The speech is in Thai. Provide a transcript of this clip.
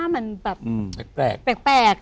แปลก